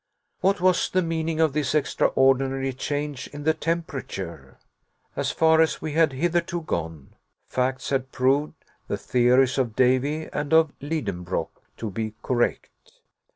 What was the meaning of this extraordinary change in the temperature? As far as we had hitherto gone, facts had proved the theories of Davy and of Lidenbrock to be correct.